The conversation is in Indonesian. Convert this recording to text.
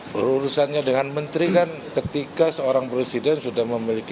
berurusannya dengan menteri kan ketika seorang presiden sudah memiliki